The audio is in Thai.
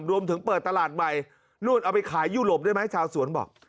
เปิดตลาดใหม่นู่นเอาไปขายยุโรปได้ไหมชาวสวนบอก